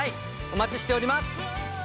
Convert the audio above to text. お待ちしております。